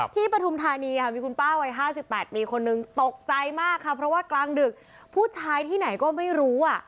ปฐุมธานีค่ะมีคุณป้าวัย๕๘ปีคนนึงตกใจมากค่ะเพราะว่ากลางดึกผู้ชายที่ไหนก็ไม่รู้อ่ะ